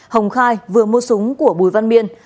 hồng khai vừa mua súng của bùi văn miên